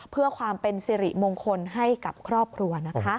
เพื่อความเป็นสิริมงคลให้กับครอบครัวนะคะ